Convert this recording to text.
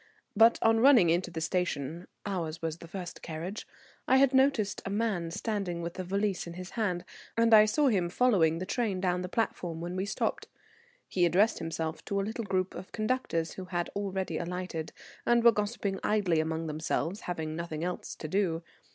But on running into the station (ours was the first carriage) I had noticed a man standing with a valise in his hand, and I saw him following the train down the platform when we stopped. He addressed himself to a little group of conductors who had already alighted, and were gossiping idly among themselves, having nothing else to do.